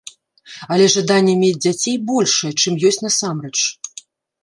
Але жаданне мець дзяцей большае, чым ёсць насамрэч.